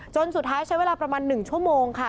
สุดท้ายใช้เวลาประมาณ๑ชั่วโมงค่ะ